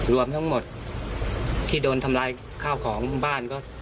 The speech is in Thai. รวมทั้งหมดที่โดนทำร้ายข้าวของบ้านก็